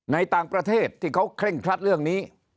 ในต่างประเทศที่เขาเคร่งครัดเรื่องนี้